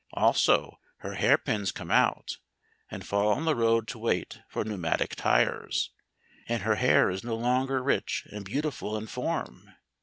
Also her hairpins come out and fall on the road to wait for pneumatic tires, and her hair is no longer rich and beautiful in form.